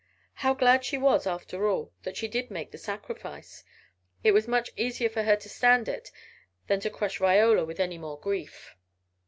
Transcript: How glad she was, after all, that she did make the sacrifice! It was much easier for her to stand it than to crush Viola with any more grief!